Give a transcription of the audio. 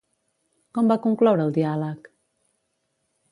Com va concloure el diàleg?